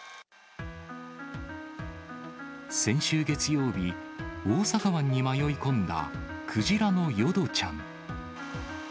先週月曜日、大阪湾に迷い込んだクジラの淀ちゃん。